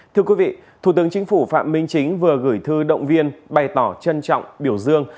thưa quý vị thủ tướng chính phủ phạm minh chính vừa gửi thư động viên bày tỏ trân trọng biểu dương